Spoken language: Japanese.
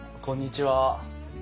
こんにちは。